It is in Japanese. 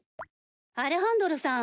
アレハンドロさん